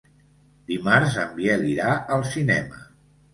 Dimarts en Biel irà al cinema.